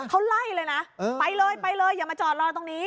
เขาไล่เลยนะไปเลยไปเลยอย่ามาจอดรอตรงนี้